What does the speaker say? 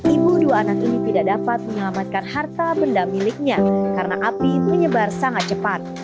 ibu dua anak ini tidak dapat menyelamatkan harta benda miliknya karena api menyebar sangat cepat